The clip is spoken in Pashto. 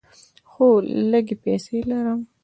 هو، لږې پیسې لرم